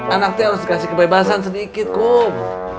anaknya harus dikasih kebebasan sedikit kok